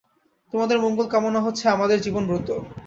তোদের মঙ্গল কামনা হচ্ছে আমার জীবনব্রত।